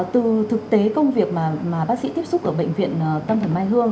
từ thực tế công việc mà bác sĩ tiếp xúc ở bệnh viện tâm thần mai hương